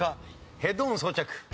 ヘッドホン装着。